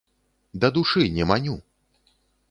Да душы, не маню!